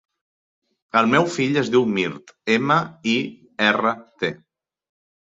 El meu fill es diu Mirt: ema, i, erra, te.